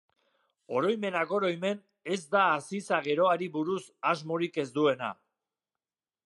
Oroimenak oroimen, ez da Aziza geroari buruz asmorik ez duena.